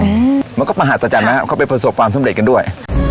อืมมันก็มหัศจรรย์นะครับเขาไปประสบความสำเร็จกันด้วย